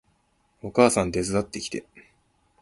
お母さん手伝ってきて